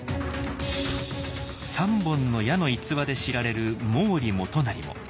「三本の矢」の逸話で知られる毛利元就も。